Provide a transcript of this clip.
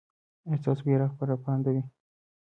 ایا ستاسو بیرغ به رپانده وي؟